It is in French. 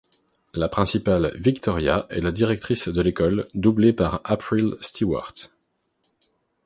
La Principale Victoria est la directrice de l'école, doublée par April Stewart.